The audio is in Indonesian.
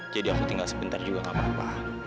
jadi aku tinggal sebentar juga gak apa apa